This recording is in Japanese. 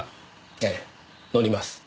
ええ乗ります。